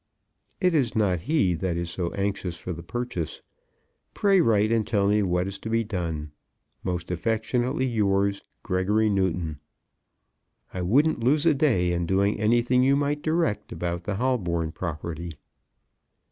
It is not he that is so anxious for the purchase. Pray write and tell me what is to be done. Most affectionately yours, GREGORY NEWTON. I wouldn't lose a day in doing anything you might direct about the Holborn property.